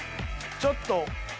ちょっと。